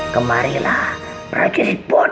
kemarilah raja sipoda